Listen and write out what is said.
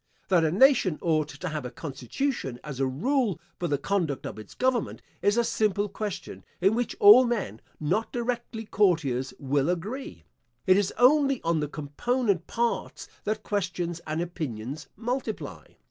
That a nation ought to have a constitution, as a rule for the conduct of its government, is a simple question in which all men, not directly courtiers, will agree. It is only on the component parts that questions and opinions multiply.